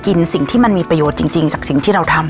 สิ่งที่มันมีประโยชน์จริงจากสิ่งที่เราทำ